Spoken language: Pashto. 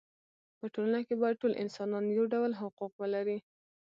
په ټولنه کې باید ټول انسانان یو ډول حقوق ولري.